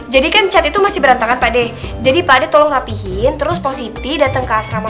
jadi kan cat itu masih berantakan pade jadi pada tolong rapihin terus positi datang ke asrama